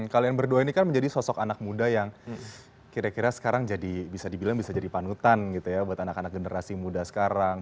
kalian berdua ini kan menjadi sosok anak muda yang kira kira sekarang jadi bisa dibilang bisa jadi panutan gitu ya buat anak anak generasi muda sekarang